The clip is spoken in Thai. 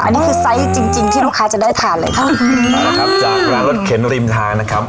อันนี้คือไซส์จริงจริงที่ลูกค้าจะได้ทานเลยค่ะนะครับจากร้านรถเข็นริมทางนะครับ